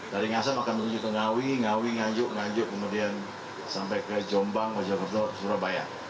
dari ngasem akan menuju ke ngawi ngawi nganjuk nganjuk kemudian sampai ke jombang mojokerto surabaya